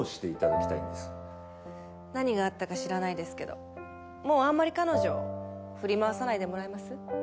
何があったか知らないですけどもうあんまり彼女振り回さないでもらえます？